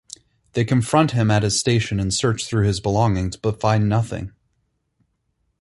They confront him at his station and search through his belongings but find nothing.